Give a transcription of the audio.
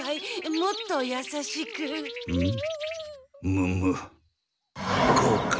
むむこうか？